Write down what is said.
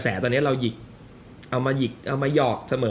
เอามาหยิกเอามาหยอกเสมอ